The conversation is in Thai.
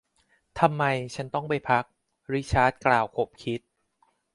ทำไม ฉันต้องไปพัก ริชาร์ดกล่าว ขบคิด